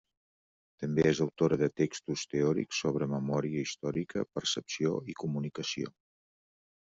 També és autora de textos teòrics sobre memòria històrica, percepció i comunicació.